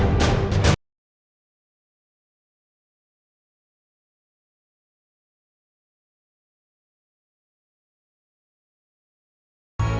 nanti aku yang dorong